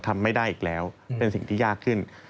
ทำไม่ได้อีกแล้วเป็นสิ่งที่ยากขึ้น